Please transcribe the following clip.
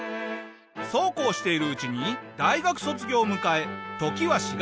そうこうしているうちに大学卒業を迎え時は４月。